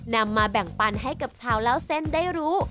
นำมาแบ่งปันให้กับชาวเล่าเส้นได้รู้